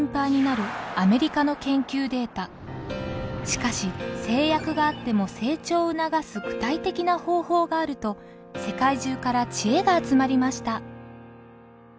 しかし制約があっても成長を促す具体的な方法があると世界中からチエが集まりました。